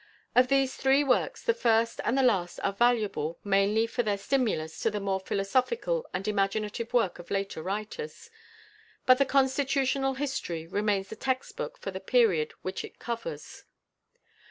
Of these three works the first and the last are valuable mainly for their stimulus to the more philosophical and imaginative work of later writers, but the "Constitutional History" remains the text book for the period which it covers.